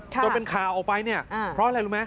ต้นเป็นคาออกไปเพราะอะไรรู้ไหม